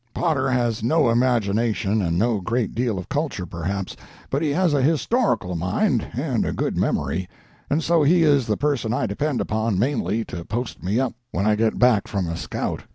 Potter has no imagination, and no great deal of culture, perhaps, but he has a historical mind and a good memory, and so he is the person I depend upon mainly to post me up when I get back from a scout.